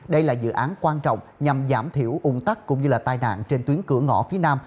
đây là dự án quan trọng nhằm giảm thiểu ủng tắc cũng như là tai nạn trên tuyến cửa ngõ phía nam